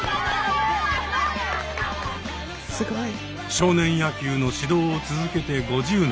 少年野球の指導を続けて５０年。